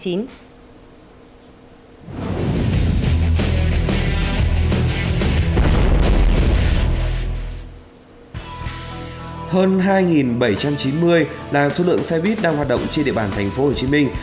hơn hai bảy trăm chín mươi là số lượng xe buýt đang hoạt động trên địa bàn thành phố hồ chí minh